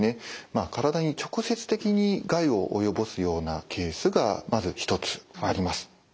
体に直接的に害をおよぼすようなケースがまず一つあります。